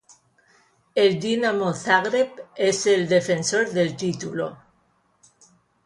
El Dinamo Zagreb es el defensor del título.